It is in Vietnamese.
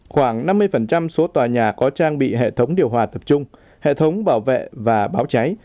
khoảng năm mươi số tòa nhà có trang bị hệ thống điều hòa tập trung hệ thống bảo vệ và báo cháy